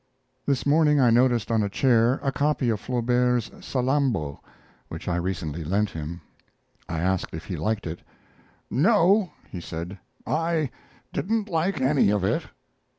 This morning I noticed on a chair a copy of Flaubert's Salammbo which I recently lent him. I asked if he liked it. "No," he said, "I didn't like any of it."